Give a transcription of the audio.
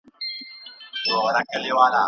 لکه یو شړکنده باران تېره شوې